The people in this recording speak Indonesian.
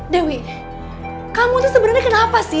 dewi kamu tuh sebenarnya kenapa sih